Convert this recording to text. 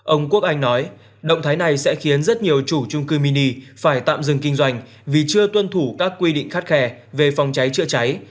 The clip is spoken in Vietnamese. ông quốc anh nói động thái này sẽ khiến rất nhiều chủ trung cư mini phải tạm dừng kinh doanh vì chưa tuân thủ các quy định khắt khe về phòng cháy chữa cháy